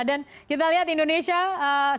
dan kita lihat indonesia kita lihat indonesia